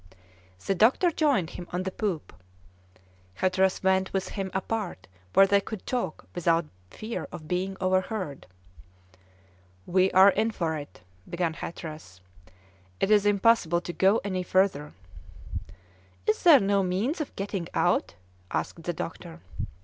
The doctor joined him on the poop. Hatteras went with him apart where they could talk without fear of being overheard. "We are in for it," began Hatteras; "it is impossible to go any further." "Is there no means of getting out?" asked the doctor.